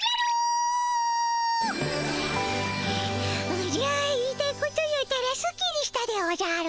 おじゃ言いたいこと言うたらすっきりしたでおじゃる。